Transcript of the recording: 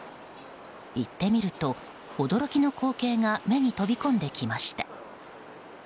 行ってみると、驚きの光景が目に飛び込んできました。